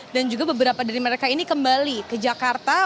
dan juga beberapa dari mereka ini kembali ke jakarta